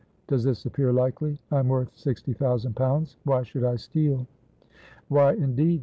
Does this appear likely? I am worth sixty thousand pounds why should I steal?" "Why, indeed?"